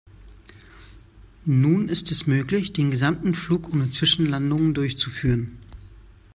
Nun ist es möglich, den gesamten Flug ohne Zwischenlandungen durchzuführen.